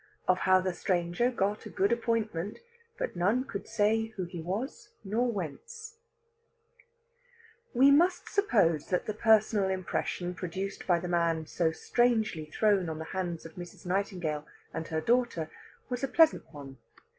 OF HOW THE STRANGER GOT A GOOD APPOINTMENT, BUT NONE COULD SAY WHO HE WAS, NOR WHENCE We must suppose that the personal impression produced by the man so strangely thrown on the hands of Mrs. Nightingale and her daughter was a pleasant one.